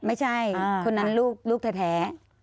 ไม่ใช่คนนั้นลูกแท้